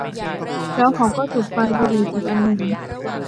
แล้วเขาก็จุดไฟ บุหรี่อีกอันหนึ่ง